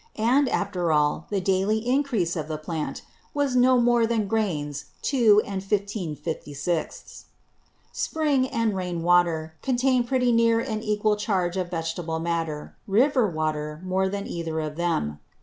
And, after all, the daily Encrease of the Plant was no more than Grains 2 15/56. 6. Spring, and Rain water, contain pretty near an equal Charge of Vegetable Matter; _River water more than either of them.